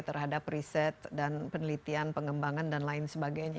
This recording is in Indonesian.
terhadap riset dan penelitian pengembangan dan lain sebagainya